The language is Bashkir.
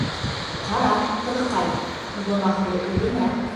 «Ҡара, ҡыҙыҡай, гонаһы үҙеңә!»